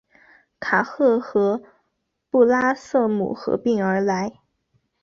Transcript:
卡赫和布拉瑟姆合并而来。